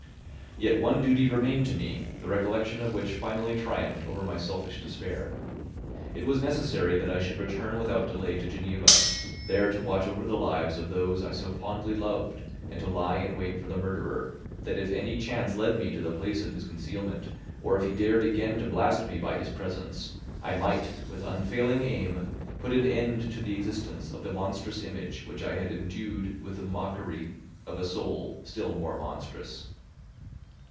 Yet one duty remained to me, the recollection of which finally triumphed over my selfish despair. It was necessary that I should return without delay to Geneva, there to watch over the lives of those I so fondly loved and to lie in wait for the murderer, that if any chance led me to the place of his concealment, or if he dared again to blast me by his presence, I might, with unfailing aim, put an end to the existence of the monstrous image which I had endued with the mockery of a soul still more monstrous.